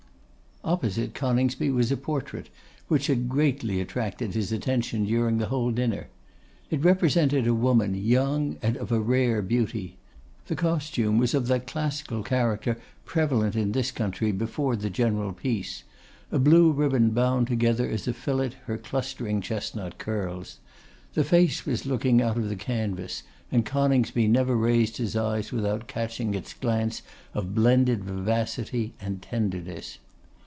Opposite Coningsby was a portrait, which had greatly attracted his attention during the whole dinner. It represented a woman, young and of a rare beauty. The costume was of that classical character prevalent in this country before the general peace; a blue ribbon bound together as a fillet her clustering chestnut curls. The face was looking out of the canvas, and Coningsby never raised his eyes without catching its glance of blended vivacity and tenderness.